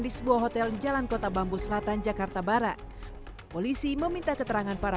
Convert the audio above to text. di sebuah hotel di jalan kota bambu selatan jakarta barat polisi meminta keterangan para